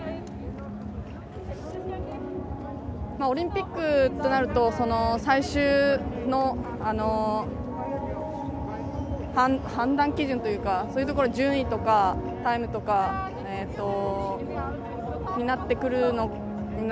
オリンピックとなると最終の判断基準というかそういうところ順位とかタイムとかになってくる。